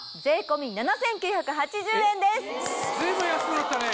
随分安くなったね！